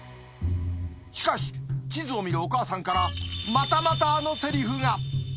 しかし、地図を見るお母さんから、またまたあのせりふが。